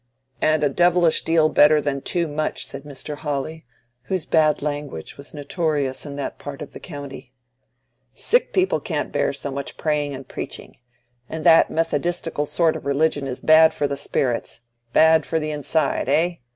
"And a devilish deal better than too much," said Mr. Hawley, whose bad language was notorious in that part of the county. "Sick people can't bear so much praying and preaching. And that methodistical sort of religion is bad for the spirits—bad for the inside, eh?"